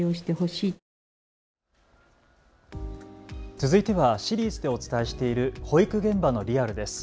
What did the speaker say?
続いてはシリーズでお伝えしている保育現場のリアルです。